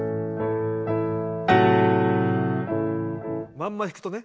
まんま弾くとね。